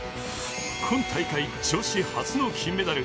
今大会、女子初の金メダル